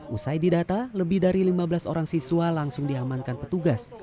usai didata lebih dari lima belas orang siswa langsung diamankan petugas